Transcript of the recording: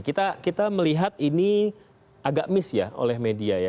kita melihat ini agak miss ya oleh media ya